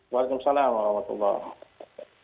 waalaikumsalam warahmatullahi wabarakatuh